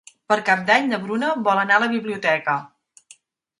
Per Cap d'Any na Bruna vol anar a la biblioteca.